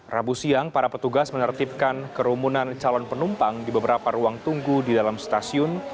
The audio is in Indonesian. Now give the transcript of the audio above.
rabu siang para petugas menertibkan kerumunan calon penumpang di beberapa ruang tunggu di dalam stasiun